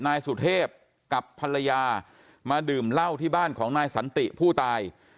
นายสุเทพกับภรรยามาดื่มเหล้าที่บ้านของนายสันติผู้ตาย